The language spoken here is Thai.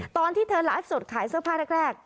ตอนที่เธอไลฟ์สดขายเสื้อผ้าแรก